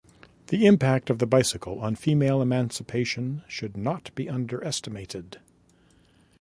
The impact of the bicycle on female emancipation should not be underestimated.